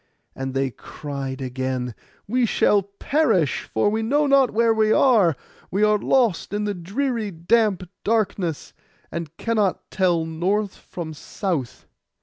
And they cried again, 'We shall perish, for we know not where we are. We are lost in the dreary damp darkness, and cannot tell north from south.